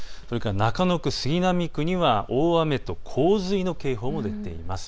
中野区、杉並区には大雨と洪水の警報も出ています。